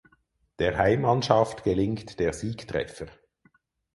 Der Heimmannschaft gelingt der Siegtreffer.